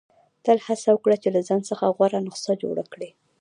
• تل هڅه وکړه چې له ځان څخه غوره نسخه جوړه کړې.